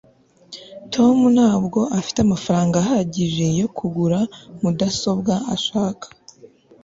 tom ntabwo afite amafaranga ahagije yo kugura mudasobwa ashaka